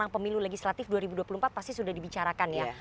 pemilu legislatif dua ribu dua puluh empat pasti sudah dibicarakan ya